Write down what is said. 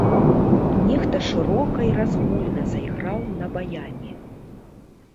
Нехта шырока і разгульна зайграў на баяне.